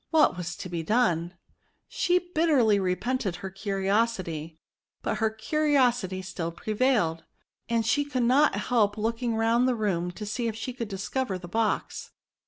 What was to be done ! She bitterly repented her curiosity; but her curiosity still prevailed, and she could not help look ing round the room to see if she coidd dis cover the box.